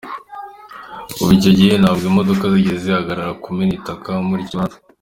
Kuva icyo gihe ntabwo imodoka zigeze zihagarara kumena itaka muri iki kibanza.